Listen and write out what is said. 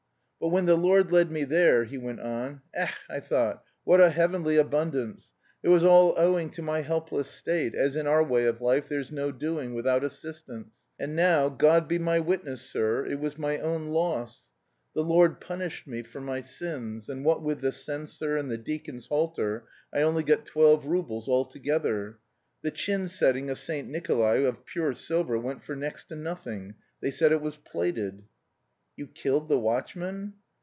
"But when the Lord led me there," he went on, "ech, I thought what a heavenly abundance! It was all owing to my helpless state, as in our way of life there's no doing without assistance. And, now, God be my witness, sir, it was my own loss. The Lord punished me for my sins, and what with the censer and the deacon's halter, I only got twelve roubles altogether. The chin setting of St. Nikolay of pure silver went for next to nothing. They said it was plated." "You killed the watchman?"